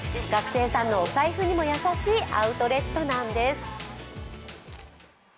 学生さんのお財布にも優しいアウトレットなんです。